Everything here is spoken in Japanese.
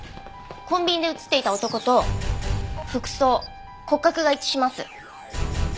コンビニで映っていた男と服装骨格が一致します。